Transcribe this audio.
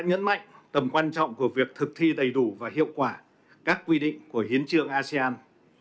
chúng tôi đã nhấn mạnh tầm quan trọng của việc thực thi đầy đủ và hiệu quả các quy định của hiến trương asean